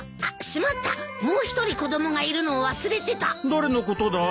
誰のことだい？